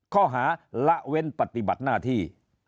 ข้อหาละเว้นปฏิบัติหน้าที่